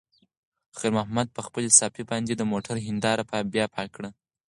خیر محمد په خپلې صافې باندې د موټر هینداره بیا پاکه کړه.